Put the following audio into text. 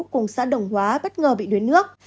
cùng xã đồng hóa bất ngờ bị đuối nước